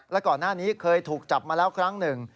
และก่อนหน้านี้เคยถูกจับมาแล้วครั้งหนึ่ง